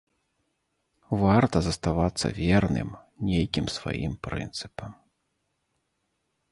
Варта заставацца верным нейкім сваім прынцыпам.